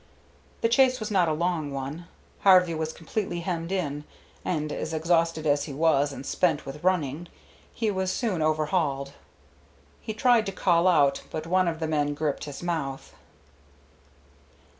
The chase was not a long one. Harvey was completely hemmed in, and exhausted as he was and spent with running, he was soon overhauled. He tried to call out, but one of the men gripped his mouth.